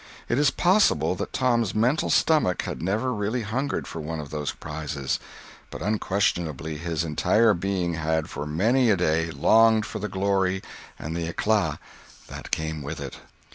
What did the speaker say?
It is possible that Tom's mental stomach had never really hungered for one of those prizes, but unquestionably his entire being had for many a day longed for the glory and the eclat that came with it.